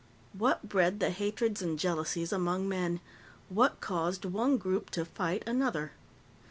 What bred the hatreds and jealousies among men? What caused one group to fight another?